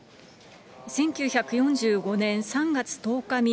１９４５年３月１０日